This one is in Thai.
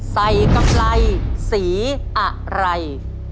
ใส่กำไรสีอะไร